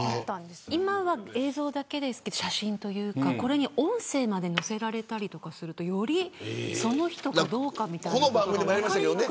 今は映像だけですが写真というかこれに音声までのせられたりするとより、その人かどうか分かりにくくなりますよね。